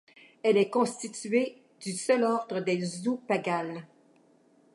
Elle est constituée du seul ordre des Zoopagales.